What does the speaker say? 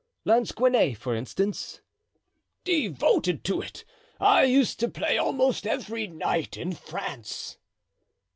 "Lansquenet, for instance?" "Devoted to it. I used to play almost every night in France."